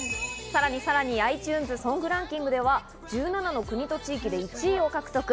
さらにｉＴｕｎｅｓソングランキングでは１７の国と地域で１位を獲得。